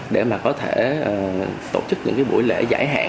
để mà có thể tổ chức những cái buổi lễ giải hạn